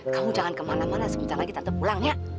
kamu jangan kemana mana sebentar lagi tante pulang ya